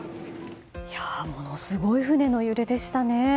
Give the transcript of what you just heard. ものすごい船の揺れでしたね。